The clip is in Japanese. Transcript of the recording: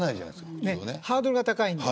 ハードルが高いんです。